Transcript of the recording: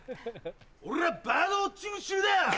俺はバードウオッチング中だよ！